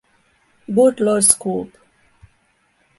Good lord Scoop.